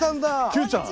Ｑちゃん。